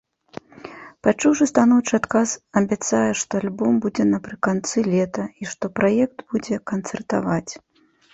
Пачуўшы станоўчы адказ, абяцае, што альбом будзе напрыканцы лета, і што праект будзе канцэртаваць.